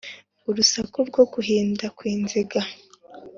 urusaku rwo guhinda kw’inziga